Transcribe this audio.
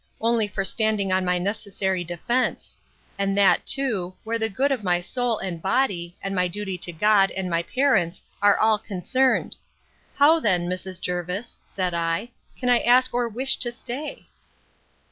only for standing on my necessary defence: and that, too, where the good of my soul and body, and my duty to God, and my parents, are all concerned. How then, Mrs. Jervis, said I, can I ask or wish to stay?